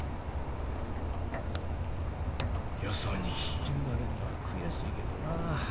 よそに引き抜かれんのは悔しいけどな。